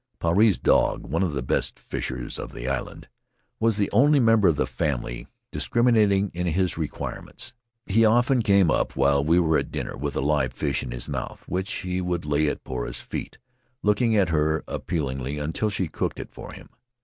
Puarei's dog, one of the best fishers of the island, was the only member of the family discriminating in his require ments. He often came up while we were at dinner, with a live fish in his mouth, which he would lay at Poura' s feet, looking at her appealingly until she cooked it for him.